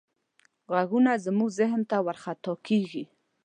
غږونه زموږ ذهن ته ورخطا کېږي.